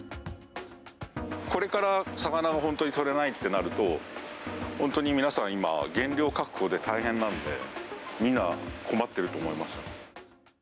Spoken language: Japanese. これから魚が本当にとれないってなると、本当に皆さん、今、原料確保で大変なんで、みんな困ってると思いますよ。